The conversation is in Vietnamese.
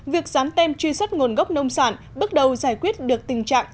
việc dán tem truy xuất nguồn gốc nông sản bước đầu giải quyết được tình trạng